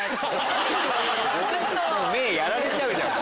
目やられちゃうじゃん！